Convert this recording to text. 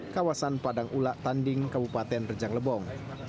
kawasan padang ulak tanding kabupaten rejang lebong